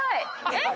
えっ？